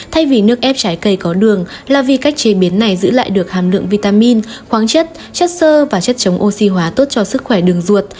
thay vì nước ép trái cây có đường là vì cách chế biến này giữ lại được hàm lượng vitamin khoáng chất chất sơ và chất chống oxy hóa tốt cho sức khỏe đường ruột